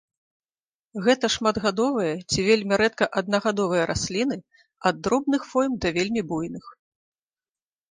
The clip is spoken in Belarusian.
Гэта шматгадовыя ці вельмі рэдка аднагадовыя расліны ад дробных форм да вельмі буйных.